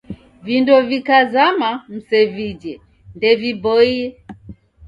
Vindo vikazama msevijhe, ndeviboie